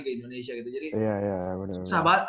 ke indonesia gitu jadi susah banget